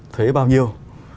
thuế bao nhiêu